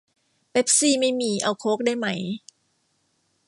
เป็ปซี่ไม่มี เอาโค้กได้ไหม